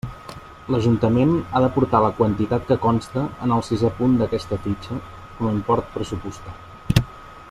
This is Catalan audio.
L'Ajuntament ha d'aportar la quantitat que consta en el sisè punt d'aquesta fitxa com a import pressupostat.